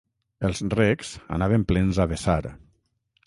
Els recs anaven plens a vessar